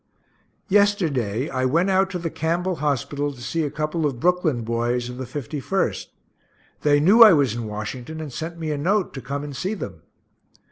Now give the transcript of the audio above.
Yesterday I went out to the Campbell hospital to see a couple of Brooklyn boys, of the 51st. They knew I was in Washington, and sent me a note, to come and see them.